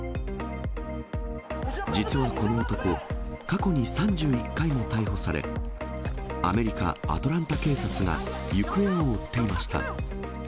実はこの男、過去に３１回も逮捕され、アメリカ・アトランタ警察が行方を追っていました。